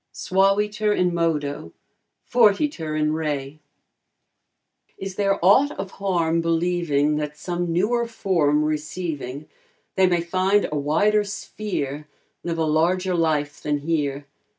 Suaviter in modo, fortiter in re. Is there aught of harm believing That some newer form receiving, They may find a wider sphere, Live a larger life than here?